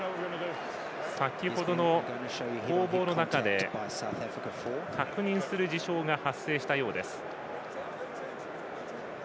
先程の攻防の中で確認する事象が発生したようです。